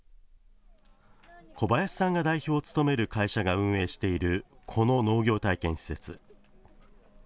小林さんが代表を務める会社が運営しているこの農業体験施設。